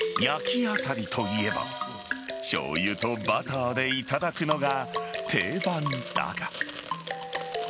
焼きアサリといえばしょうゆとバターでいただくのが定番だが。